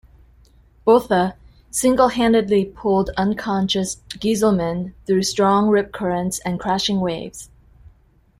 Botha single-handedly pulled unconscious Geiselman though strong rip currents and crashing waves.